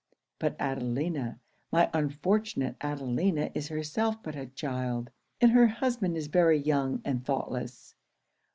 But Adelina my unfortunate Adelina is herself but a child, and her husband is very young and thoughtless.